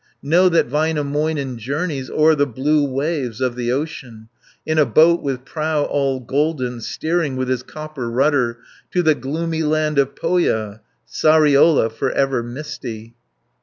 260 Know that Väinämöinen journeys O'er the blue waves of the ocean, In a boat with prow all golden, Steering with his copper rudder, To the gloomy land of Pohja, Sariola, for ever misty."